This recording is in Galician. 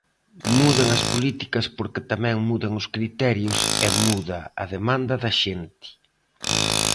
Mudan as políticas porque tamén mudan os criterios e muda a demanda da xente.